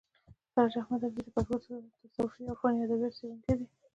سراج احمد حبیبي د پښتو تصوفي او عرفاني ادبیاتو څېړونکی دی.